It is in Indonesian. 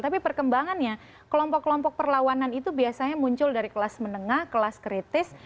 tapi perkembangannya kelompok kelompok perlawanan itu biasanya muncul dari kelas menengah kelas kritis